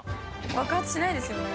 爆発しないですよね。